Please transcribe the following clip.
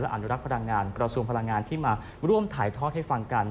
อนุรักษ์พลังงานกระทรวงพลังงานที่มาร่วมถ่ายทอดให้ฟังกัน